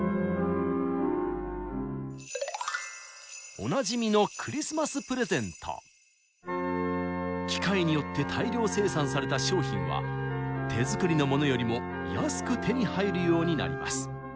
おなじみの機械によって大量生産された商品は手作りのモノよりも安く手に入るようになります。